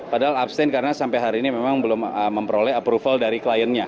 padahal abstain karena sampai hari ini memang belum memperoleh approval dari kliennya